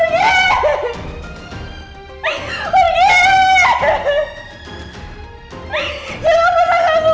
jangan pernah kasih suami lagi